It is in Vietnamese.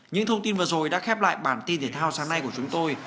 những thông tin vừa rồi đã khép lại bản tin thể thao sáng nay của chúng tôi